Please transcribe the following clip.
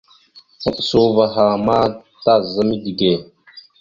Maɓəsa uvah a ma taza midǝge.